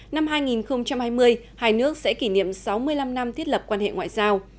năm hai nghìn hai mươi hai nước sẽ kỷ niệm sáu mươi năm năm thiết lập quan hệ ngoại giao